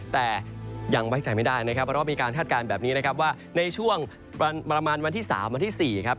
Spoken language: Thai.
แต่ยังไว้ใจไม่ได้นะครับเพราะว่ามีการคาดการณ์แบบนี้นะครับว่าในช่วงประมาณวันที่๓วันที่๔ครับ